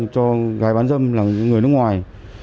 cho gái bán dâm là những người nước ngoài